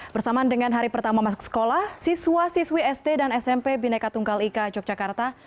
bersamaan dengan hari pertama masuk sekolah siswa siswi sd dan smp bineka tunggal ika yogyakarta